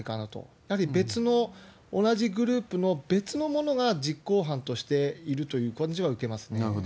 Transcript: やはり別の、同じグループの別の者が実行犯としているという感じなるほど。